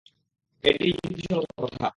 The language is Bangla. এটিই যুক্তিসঙ্গত কথা।